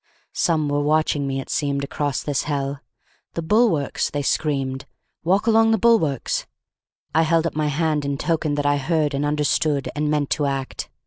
Some were watching me, it seemed, across this hell. "The bulwarks!" they screamed. "Walk along the bulwarks!" I held up my hand in token that I heard and understood and meant to act.